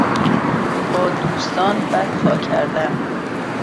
با دوستان بدتا کردن